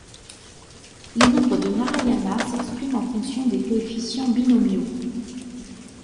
Les nombres de Narayana s'expriment en fonction des coefficients binomiaux.